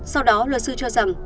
sau đó luật sư cho rằng